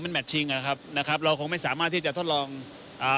มันแมทชิงอ่ะนะครับนะครับเราคงไม่สามารถที่จะทดลองอ่า